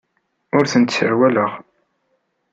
Ur tent-sserwaleɣ.